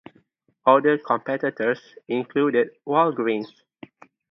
Other competitors included Walgreens.